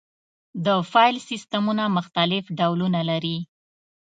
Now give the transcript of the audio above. د فایل سیستمونه مختلف ډولونه لري.